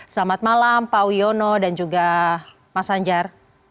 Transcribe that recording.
selamat malam pak wiono dan juga mas anjar